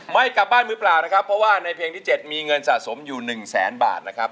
ไม่กลับบ้านมือเปล่านะครับเพราะว่าในเพลงที่๗มีเงินสะสมอยู่๑แสนบาทนะครับ